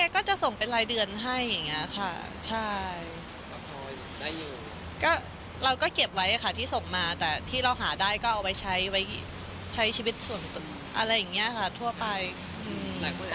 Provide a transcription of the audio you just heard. ก็ต้องฝากบอกว่าให้เขาเข้าใจด้วย